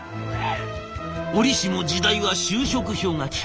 折しも時代は就職氷河期。